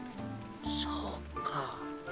そうか。